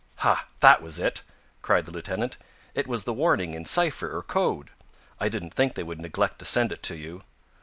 "Ha! That was it!" cried the lieutenant. "It was the warning in cipher or code. I didn't think they would neglect to send it to you."